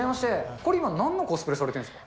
これ、今、なんのコスプレされてるんですか。